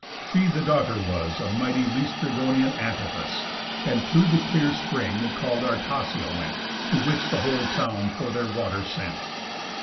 She the daughter was Of mighty Læstrygonian Antiphas, And to the clear spring call'd Artacia went, To which the whole town for their water sent.